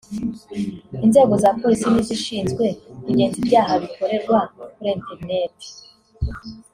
Inzego za Polisi n’izishinzwe kugenza ibyaha bikorerwa kuri internet